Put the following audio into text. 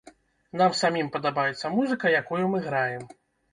Нам самім падабаецца музыка, якую мы граем.